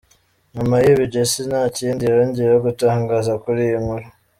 Nyuma y’ibi Jessy nta kindi yongeye gutangaza kuri iyi nkuru.